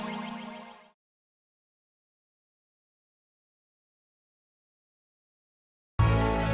udah siap ya